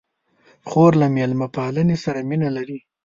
خور له میلمه پالنې سره مینه لري.